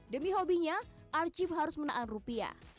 demi hobinya arcip harus menahan rupiah